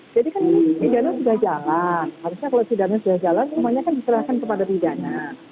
jadi kan ini pidana sudah jalan harusnya kalau pidana sudah jalan semuanya kan diserahkan kepada pidana